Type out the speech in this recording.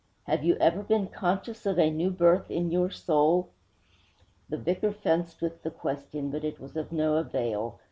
Have you ever been conscious of a new birth in your soul?' The vicar fenced with the question, but it was of no avail.